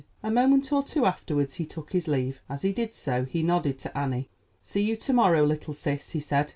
A moment or two afterwards he took his leave. As he did so, he nodded to Annie. "See you to morrow, little sis," he said.